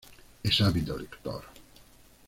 Es ávido lector.